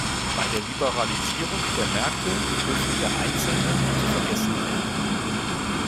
Bei der Liberalisierung der Märkte dürfen der Einzelne nicht vergessen werden.